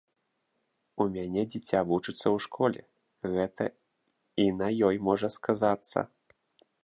У мяне дзіця вучыцца ў школе, гэта і на ёй можа сказацца.